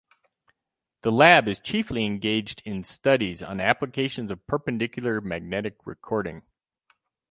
The lab is chiefly engaged in studies on applications of perpendicular magnetic recording.